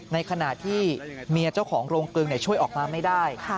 ในขณะที่เมียเจ้าของโรงกลึงช่วยออกมาไม่ได้